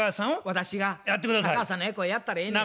私が高橋さんの役をやったらええんやな。